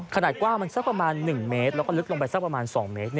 ขนาดกว้างมันสักประมาณ๑เมตรแล้วก็ลึกลงไปสักประมาณ๒เมตร